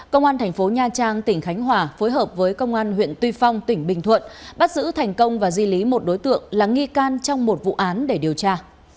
công an thành phố nha trang tỉnh khánh hòa phối hợp với công an huyện tuy phong tỉnh bình thuận bắt giữ thành công và di lý một đối tượng là nghi can trong một vụ án để điều tra